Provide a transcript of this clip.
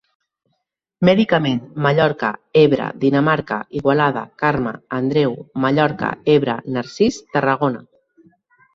Medicament: Mallorca, Ebre, Dinamarca, Igualada, Carme, Andreu, Mallorca, Ebre, Narcís, Tarragona.